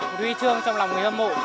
một huy chương trong lòng người hâm mộ